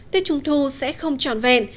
tết trung thu sẽ không tròn vẹn